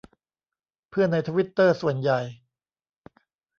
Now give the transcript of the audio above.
เพื่อนในทวิตเตอร์ ส่วนใหญ่